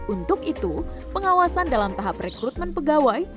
untuk itu pengawasan dalam tahap rekrutmen pegawai